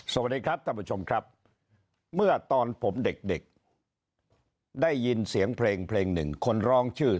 สวัสดีครับท่านผู้ชมครับเมื่อตอนผมเด็กได้ยินเสียงเพลงเพลงหนึ่งคนร้องชื่อ